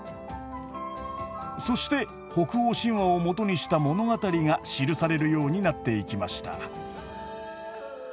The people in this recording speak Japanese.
そして北欧神話を基にした物語が記されるようになっていきました。